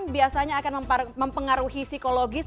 biasanya akan mempengaruhi psikologis